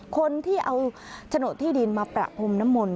คนที่เอาโฉนดที่ดินมาประพรมน้ำมนต